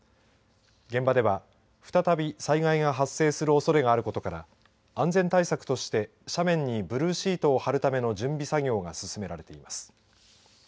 現場では、再び災害が発生するおそれがあることから安全対策として斜面にブルーシートを張るための準備作業が進められています。